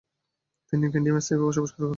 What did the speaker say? তিনি গ্যান্ডিয়ায় স্থায়ীভাবে বসবাস শুরু করেন।